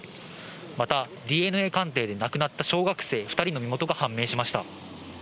また、ＤＮＡ鑑定で亡くなった小学生２人の身元が判明しました。